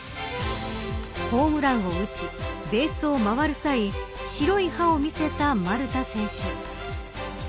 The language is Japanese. ホームランを打ちベースを回る際白い歯を見せた丸田選手。